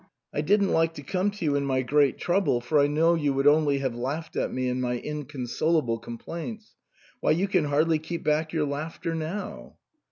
I didn't like to come to you in my great trouble, for I know you would only have laughed at me and my inconsolable complaints. Why, you can hardly keep back your laughter now."